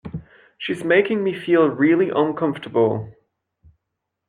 She’s making me feel really uncomfortable.